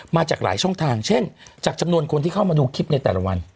มาจากหลายช่องทางเช่นจากจำนวนคนที่เข้ามาดูคลิปในแต่ละวัน